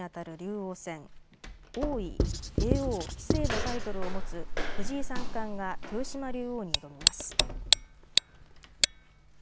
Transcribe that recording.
王位、叡王、棋聖のタイトルを持つ藤井三冠が豊島竜王に挑みます。